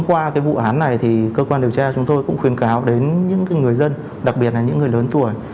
qua vụ án này cơ quan điều tra chúng tôi cũng khuyên cáo đến những người dân đặc biệt là những người lớn tuổi